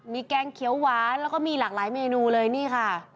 แกงเขียวหวานแล้วก็มีหลากหลายเมนูเลยนี่ค่ะ